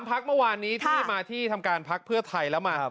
พักเมื่อวานนี้ที่มาที่ทำการพักเพื่อไทยแล้วมา